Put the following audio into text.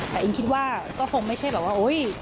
แต่อิงคิดว่าคงไม่ใช่แบบว่า